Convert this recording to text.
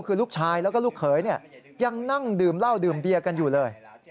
คือลูกชายแล้วก็ลูกเขยยังนั่งดื่มเหล้าดื่มเบียร์กันอยู่เลย